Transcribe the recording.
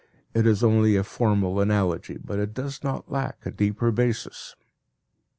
It is only a formal analogy, but it does not lack a deeper basis.